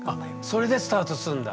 それでスタートすんだ。